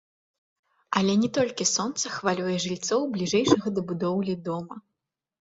Але не толькі сонца хвалюе жыльцоў бліжэйшага да будоўлі дома.